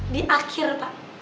di akhir pak